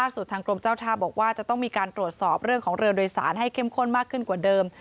สุดทางกรมเจ้าท่าบอกว่าจะต้องมีการตรวจสอบเรื่องของเรือโดยสารให้เข้มข้นมากขึ้นกว่าเดิม